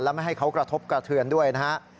ไม่ให้เขากระทบกระเทือนด้วยนะฮะ